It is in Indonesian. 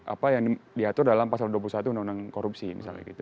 apa yang diatur dalam pasal dua puluh satu undang undang korupsi misalnya gitu